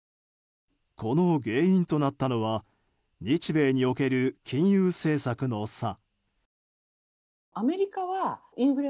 この原因となったのは日米における金融政策の差。